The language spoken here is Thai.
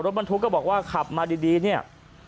บรรทุกก็บอกว่าขับมาดีเนี่ย